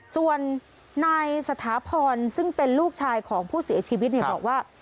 ส่วนนายสถาพรซึ่งเป็นลูกชายของผู้เสียชีวิตบอกว่า